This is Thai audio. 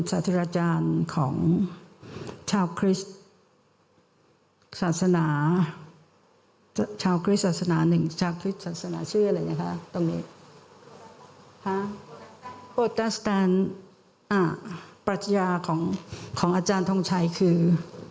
ประชาของอาจารย์ทรงชัยคือ